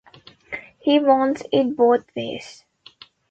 He wants it both ways.